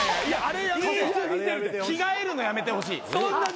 着替えるのやめてほしい。